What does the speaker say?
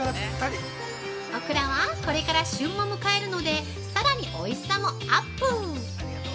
オクラはこれから旬も迎えるので、さらにおいしさもアップ！